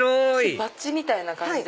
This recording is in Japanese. バッジみたいな感じで。